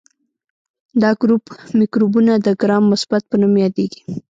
دا ګروپ مکروبونه د ګرام مثبت په نوم یادیږي.